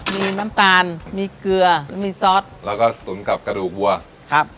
มีน้ำตาลมีเกลือและมีซอสแล้วก็ตุ๋นกับกระดูกวัวครับ